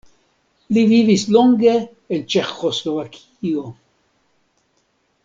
Li vivis longe en Ĉeĥoslovakio.